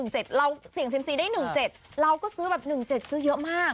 เสียงสินได้๑๗เราก็ซื้อแบบ๑๗ซื้อเยอะมาก